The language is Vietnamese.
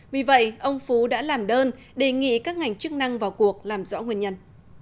vì vậy ông phú đã làm đơn đề nghị các ngành chức năng vào cuộc làm rõ nguyên nhân